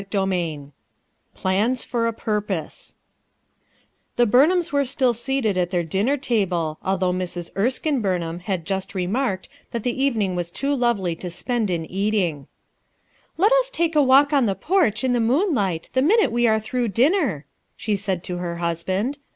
CHAPTER XI "PLAXS FOR A FCTIPOSE" fTIHE Buruhams were stUl seated at their J dinner table, although Mrs. Erskine Burn ham hail just remarked that the evening was too lovely to ppend in eating, "Let us take a walk on the porch in the moonlight the minute we are through dinner," she said to her husband.